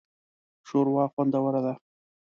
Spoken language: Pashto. شوروا خوندوره ده